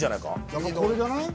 やっぱこれじゃない？